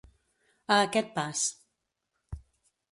A aquest pas.